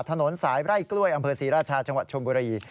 ถนนสายไร่กล้วยอำเภอศรีราชาจังหวัดชมบุรี